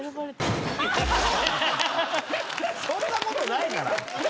そんなことないから！